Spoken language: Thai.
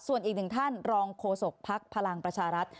ส่วนอีกหนึ่งท่านรองโฆษกภักดิ์พลังประชารัฐ